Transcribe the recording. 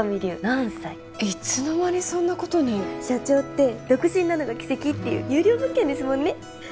何歳いつの間にそんなことに社長って独身なのが奇跡っていう優良物件ですもんね